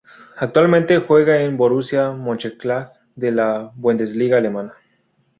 Actualmente juega en el Borussia Mönchengladbach de la Bundesliga alemana.